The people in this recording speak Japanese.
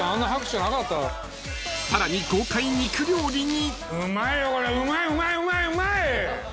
［さらに豪快肉料理に］